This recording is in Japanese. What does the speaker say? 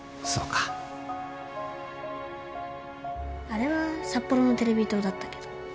あれは札幌のテレビ塔だったけど。